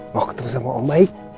mau ketemu sama om baik